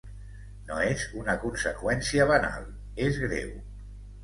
No és una conseqüència banal, és greu.